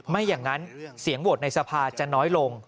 ไม่อย่างนั้นเสียงโหวตในสภาจะน้อยลง